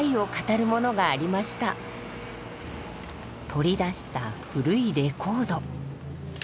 取り出した古いレコード。